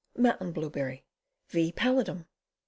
Mountain Blueberry. V. pallidum